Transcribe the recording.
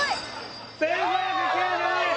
１５９２円